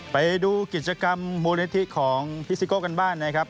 ไปดูกิจกรรมมูลนิธิของพิซิโก้กันบ้านนะครับ